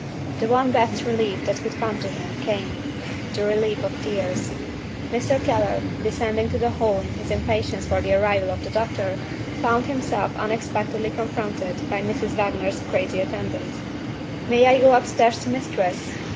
The one best relief that could come to him, came the relief of tears. Mr. Keller, descending to the hall in his impatience for the arrival of the doctor, found himself unexpectedly confronted by Mrs. Wagner's crazy attendant. "May I go upstairs to Mistress?"